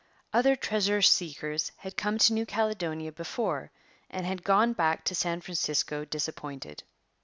Other treasure seekers had come to New Caledonia before and had gone back to San Francisco disappointed.